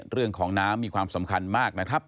เรื่องของน้ำมีความสำคัญมากนะครับ